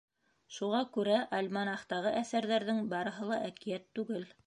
Шуға күрә альманахтағы әҫәрҙәрҙең барыһы ла әкиәт түгел.